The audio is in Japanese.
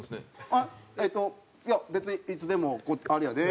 「あっえっといや別にいつでもあれやで」。